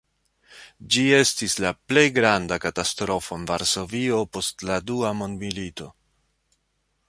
Ĝi estis la plej granda katastrofo en Varsovio post la dua mondmilito.